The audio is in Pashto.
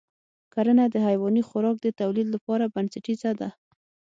کرنه د حیواني خوراک د تولید لپاره بنسټیزه ده.